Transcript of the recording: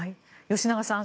吉永さん